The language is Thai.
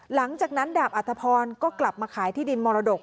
หลังจากนั้นดาบอัตภพรก็กลับมาขายที่ดินมรดก